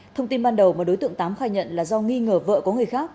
thông tin ban đầu mà đối tượng tám khai nhận là do nghi ngờ vợ có người khác